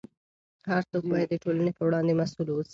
هر څوک باید د ټولنې په وړاندې مسؤل واوسي.